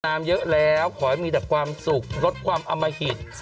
น้ำเยอะแล้วขอให้มีแต่ความสุขลดความอมหิต